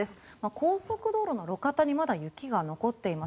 高速道路の路肩にまだ雪が残っています。